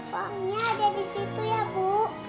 uangnya ada disitu ya bu